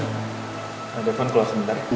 ma depan keluar sebentar